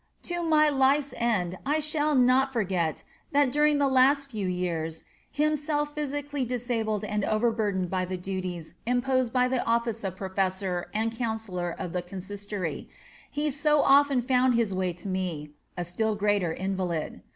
To my life's end I shall not forget that during the last few years, himself physically disabled and overburdened by the duties imposed by the office of professor and counsellor of the Consistory, he so often found his way to me, a still greater invalid.